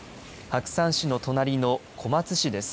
白山市の隣の小松市です。